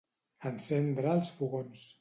Encendre els fogons.